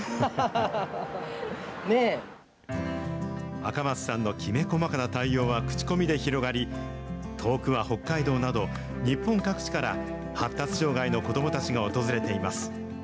赤松さんのきめ細かな対応は口コミで広がり、遠くは北海道など、日本各地から、発達障害の子どもたちが訪れています。